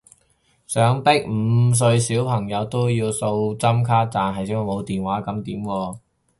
想逼五歲小朋友都要掃針卡，但係小朋友冇電話喎噉點啊？